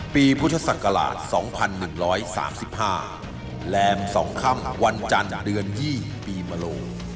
ปีพุทธศักราช๒๑๓๕แรม๒ค่ำวันจันทร์เดือน๒ปีมโล